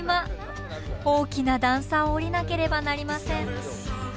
大きな段差を下りなければなりません。